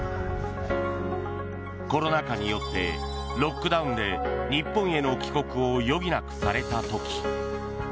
コロナ禍によってロックダウンで日本への帰国を余儀なくされた時。